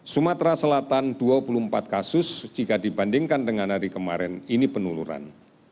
sumatera selatan dua puluh empat kasus jika dibandingkan dengan hari kemarin ini penurunan